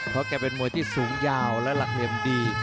เพราะแกเป็นมวยที่สูงยาวและหลักเหลี่ยมดี